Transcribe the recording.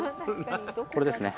これですね。